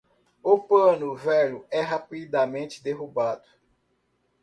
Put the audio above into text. O pano velho é rapidamente derrubado.